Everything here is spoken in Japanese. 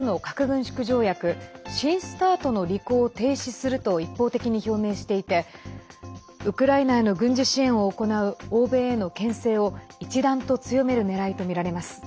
今年２月にロシアはアメリカとの核軍縮条約新ＳＴＡＲＴの履行を停止すると一方的に表明していてウクライナへの軍事支援を行う欧米へのけん制を一段と強めるねらいとみられます。